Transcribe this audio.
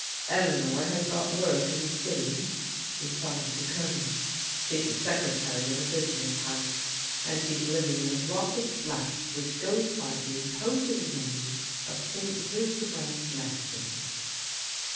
"Eleanor has got work in the city," replied the Colonel. " She's a secretary in a business house, and she's living in a block of flats which goes by the imposing name of St. Hildebrand's Mansions."